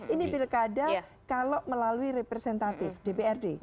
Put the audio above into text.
ini pilkada kalau melalui representatif dprd